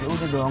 ya udah dong